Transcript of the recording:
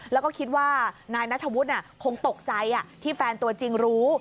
แล้วก็คิดว่านายนัทธวุฒิคงตกใจที่แฟนตัวจริงรู้